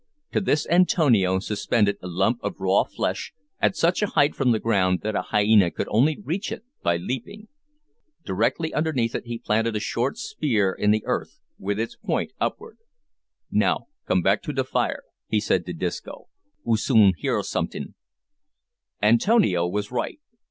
To this Antonio suspended a lump of raw flesh, at such a height from the ground that a hyena could only reach it by leaping. Directly underneath it he planted a short spear in the earth with its point upward. "Now, come back to fire," he said to Disco; "'ou soon hear sometin'." Antonio was right.